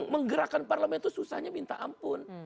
menggerakkan parlemen itu susahnya minta ampun